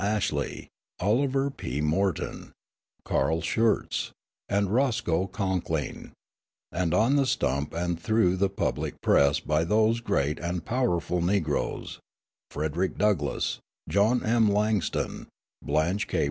Ashley, Oliver P. Morton, Carl Schurz, and Roscoe Conkling, and on the stump and through the public press by those great and powerful Negroes, Frederick Douglass, John M. Langston, Blanche K.